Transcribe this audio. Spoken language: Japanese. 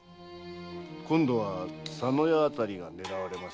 今度は佐野屋あたりが狙われます。